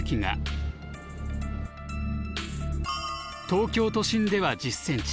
東京都心では１０ｃｍ